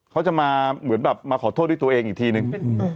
เขาจะมาเหมือนแบบมาขอโทษด้วยตัวเองอีกทีนึง